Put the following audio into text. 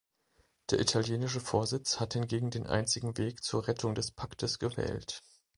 Der italienische Vorsitz hat hingegen den einzigen Weg zur Rettung des Paktes gewählt.